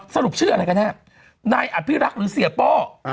สรุปชื่ออะไรกันแน่นายอภิรักษ์หรือเสียป้อ